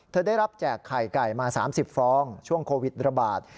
ได้รับแจกไข่ไก่มา๓๐ฟองช่วงโควิดระบาด